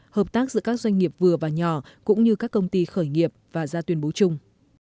hợp tác giữa các doanh nghiệp vừa và nhỏ cũng như các công ty khởi nghiệp và ra tuyên bố chung